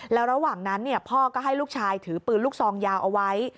แล้วระหว่างนั้นพ่อก็ให้ลูกชายถือปืนลูกซองยาวเอาไว้